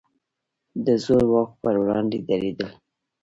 د زور واکو پر وړاندې درېدل.